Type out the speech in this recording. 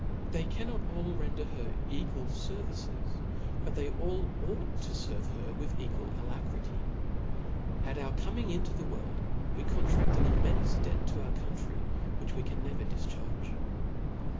They cannot all render her equal fervices, but they all ought to ferve her with equal alacrity* At our coming into the world, we contraft an immenfe debt ta our country, which we can never difcharg^.